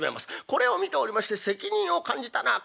これを見ておりまして責任を感じたのは加藤清正。